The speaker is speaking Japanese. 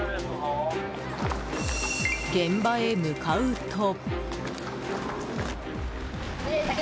現場へ向かうと。